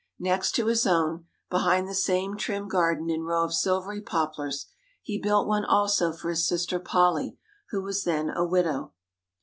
Next to his own, behind the same trim garden and row of silvery poplars, he built one also for his sister Polly, who was then a widow.